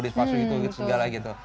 di palsu itu segala gitu